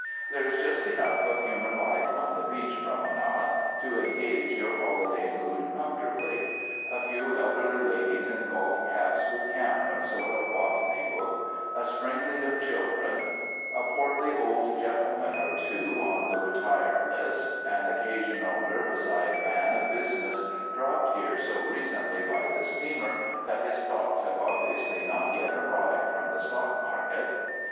There is just enough of human life on the beach promenade to engage your holiday mood comfortably— a few elderly ladies in golf caps with cameras or a botany book, a sprinkling of chil dren, a portly old gentleman or two on the retired 197 UNDER THE SKY IN CALIFORNIA list, an occasional nervous eyed man of business dropped here so recently by the steamer that his thoughts have obviously not yet arrived from the stock market.